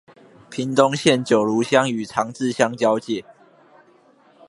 屏東縣九如鄉與長治鄉交界